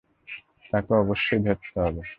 তাকে অবশ্যই ধরতে হবে।